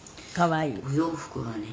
お洋服がね